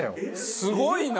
すごいな！